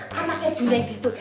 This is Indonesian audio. karena arjuna yang ditur